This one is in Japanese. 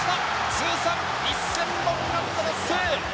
通算１０００本安打達成！